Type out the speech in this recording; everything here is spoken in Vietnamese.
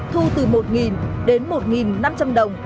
thu từ một nghìn đến một nghìn năm trăm linh đồng